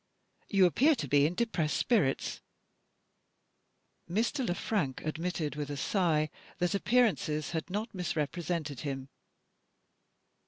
You appear to be in depressed spirits." Mr. Le Frank admitted with a sigh that appearances had not misrepresented him.